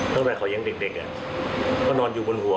เมื่อเขายังเด็กอ่ะก็นอนอยู่บนหัว